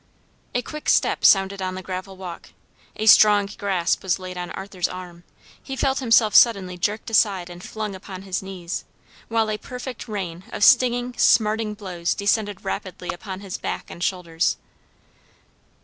A quick step sounded on the gravel walk, a strong grasp was laid on Arthur's arm, he felt himself suddenly jerked aside and flung upon his knees, while a perfect rain of stinging, smarting blows descended rapidly upon his back and shoulders.